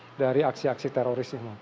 bisa menjadi sasaran dari aksi aksi teroris